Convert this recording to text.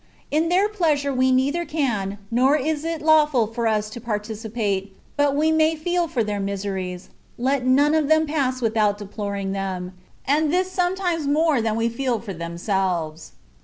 In their pleasures we neither can, nor is it lawful for us to participate, but we may feel for their miseries — let none of them pass without deploring them, and this sometimes more than we feel for themselves.